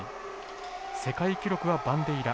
世界記録はバンデイラ。